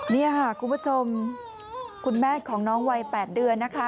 นี่ค่ะคุณผู้ชมคุณแม่ของน้องวัย๘เดือนนะคะ